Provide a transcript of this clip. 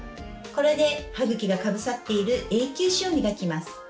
これで歯ぐきがかぶさっている永久歯を磨きます。